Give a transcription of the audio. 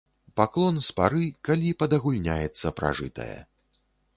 Паклон з пары, калі падагульняецца пражытае.